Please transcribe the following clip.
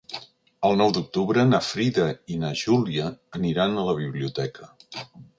El nou d'octubre na Frida i na Júlia aniran a la biblioteca.